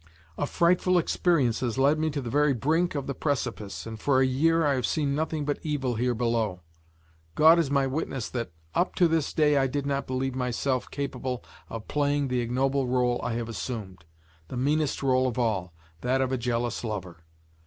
A frightful experience has led me to the very brink of the precipice, and for a year I have seen nothing but evil here below. God is my witness that up to this day I did not believe myself capable of playing the ignoble role I have assumed, the meanest role of all, that of a jealous lover.